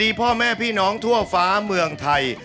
มีพ่อแม่พี่น้องทั่วฟ้าเมืองไทย